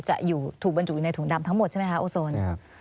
จะถูกบรรจุอยู่ในถุงดำทั้งหมดใช่ไหมคะโอโซน